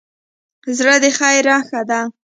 زړه د خیر نښه ده.